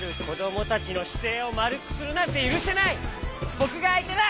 ぼくがあいてだ！